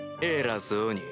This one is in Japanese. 偉そうに。